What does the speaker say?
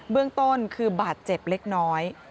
เรื่องต้นคือบาดเจ็บเล็กน้อย